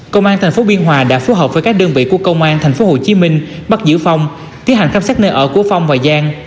công an tp biên hòa đã phối hợp với các đơn vị của công an tp hcm bắt giữ phong tiến hành khám sát nơi ở của phong và giang